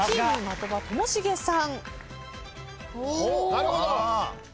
なるほど。